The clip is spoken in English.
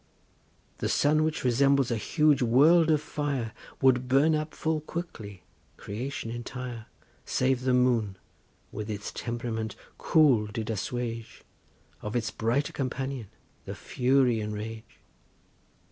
The sun, which resembles a huge world of fire, Would burn up full quickly creation entire Save the moon with its temp'rament cool did assuage Of its brighter companion the fury and rage.